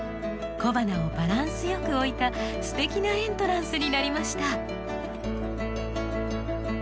小花をバランスよく置いたすてきなエントランスになりました。